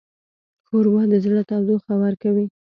ښوروا د زړه تودوخه ورکوي.